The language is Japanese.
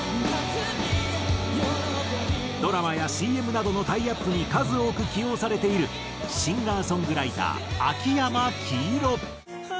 ドラマやＣＭなどのタイアップに数多く起用されているシンガーソングライター秋山黄色。